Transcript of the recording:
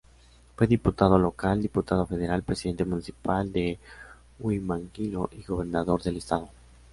Fue Diputado local, Diputado federal, Presidente municipal de Huimanguillo y Gobernador del Estado.